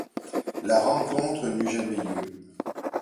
La rencontre n'eut jamais lieu.